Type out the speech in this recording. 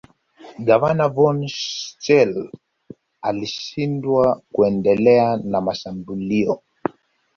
Gavana von Schele alishindwa kuendelea na mashambulio